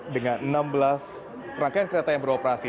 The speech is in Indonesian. dengan enam belas rangkaian kereta yang beroperasi